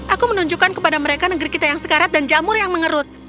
aku menunjukkan kepada mereka negeri kita yang sekarat dan jamur yang mengerut